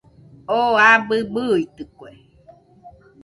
Oo abɨ bɨitɨkue